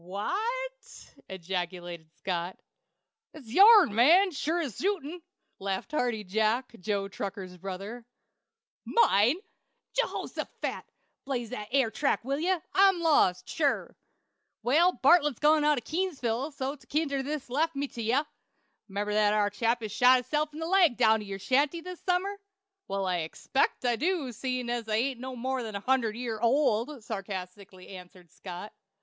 "Wha t!" ejaculated Scott. "It's your'n, man, sure as shootin'!" laughed Hearty Jack, Joe Tucker's brother. "Mine? Jehoshaphat! Blaze that air track, will ye? I'm lost, sure." "Well, Bartlett's gone out Keeseville way, so't kinder was lef' to me to tell ye. 'Member that ar chap that shot hisself in the leg down to your shanty this summer?" "Well, I expect I do, seein' I ain't more'n a hundred year old," sarcastically answered Scott.